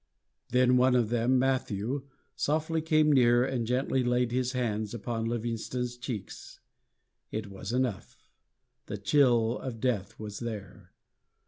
Then one of them, Matthew, softly came near and gently laid his hands upon Livingstone's cheeks. It was enough; the chill of death was there.